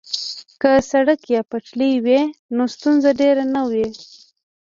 که سړک یا پټلۍ وي نو ستونزه ډیره نه وي